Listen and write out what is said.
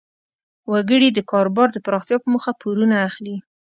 وګړي د کاروبار د پراختیا په موخه پورونه اخلي.